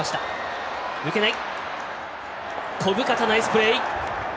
小深田、ナイスプレー！